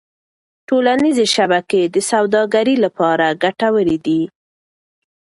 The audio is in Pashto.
ټولنيزې شبکې د سوداګرۍ لپاره ګټورې دي.